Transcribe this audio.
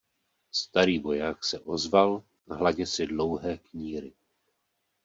Starý voják se ozval, hladě si dlouhé kníry.